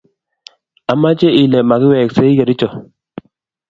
amache ile makiweksei kericho